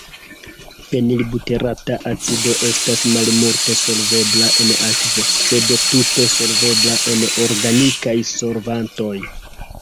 Fenilbuterata acido estas malmulte solvebla en akvo, sed tute solvebla en organikaj solvantoj.